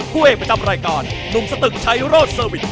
ผู้เอกประจำรายการหนุ่มสตึกชัยโรธเซอร์วิส